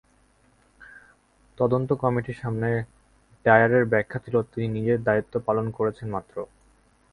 তদন্ত কমিটির সামনে ডায়ারের ব্যাখ্যা ছিল, তিনি নিজের দায়িত্ব পালন করেছেন মাত্র।